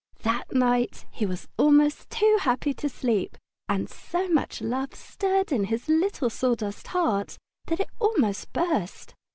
That night he was almost too happy to sleep, and so much love stirred in his little sawdust heart that it almost burst.